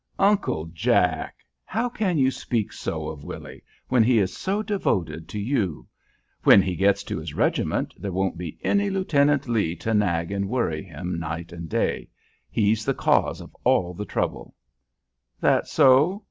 "Uncle Jack! How can you speak so of Willy, when he is so devoted to you? When he gets to his regiment there won't be any Lieutenant Lee to nag and worry him night and day. He's the cause of all the trouble." "That so?"